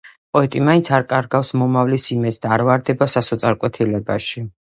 პოეტი მაინც არ კარგავს მომავლის იმედს და არ ვარდება სასოწარკვეთილებაში.